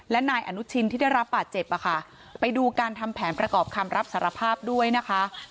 และนายอนุชินที่ได้รับบาดเจ็บอ่ะค่ะไปดูการทำแผนประกอบคำรับสารภาพด้วยนะคะ